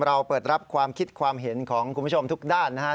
เราเปิดรับความคิดความเห็นของคุณผู้ชมทุกด้านนะครับ